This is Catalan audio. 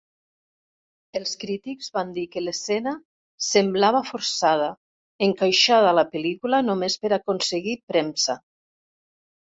Els crítics van dir que l'escena semblava forçada, encaixada a la pel·lícula només per aconseguir premsa.